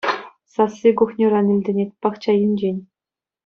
Сасси кухньӑран илтӗнет, пахча енчен.